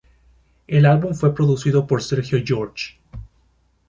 El álbum fue producido por Sergio George.